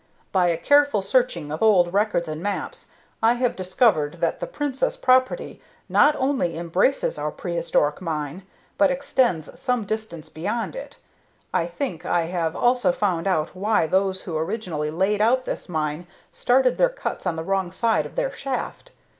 By a careful searching of old records and maps I have discovered that the Princess property not only embraces our prehistoric mine, but extends some distance beyond it. I think I have also found out why those who originally laid out this mine started their cuts on the wrong side of their shaft.